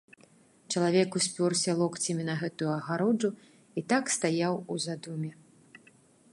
Чалавек успёрся локцямі на гэтую агароджу і так стаяў у задуме.